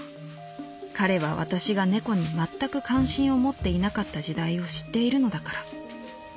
彼は私が猫にまったく関心を持っていなかった時代を知っているのだから」。